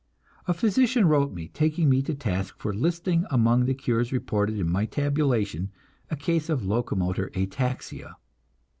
A physician wrote me, taking me to task for listing among the cures reported in my tabulation a case of locomotor ataxia.